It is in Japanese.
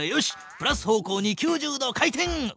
プラス方向に９０度回転！